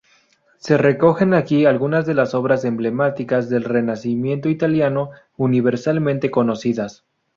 Se recogen aquí algunas de las obras emblemáticas del Renacimiento italiano, universalmente conocidas.